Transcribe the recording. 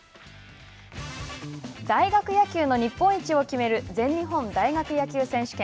大学野球の日本一を決める全日本大学野球選手権。